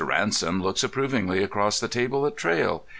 Ransom looks approvingly across the table at Traill.